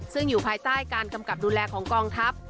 ซึ่งอยู่ภายใต้การกำกับดูแลของกองทัพ